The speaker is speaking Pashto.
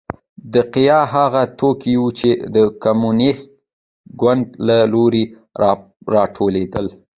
دا دقیقا هغه توکي وو چې د کمونېست ګوند له لوري راټولېدل.